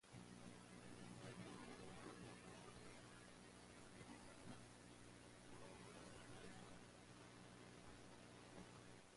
In previous elections, however, it has alternated between Liberal and Conservative representatives.